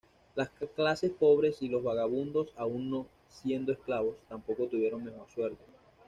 Las clases pobres y los vagabundos, aun no siendo esclavos, tampoco tuvieron mejor suerte.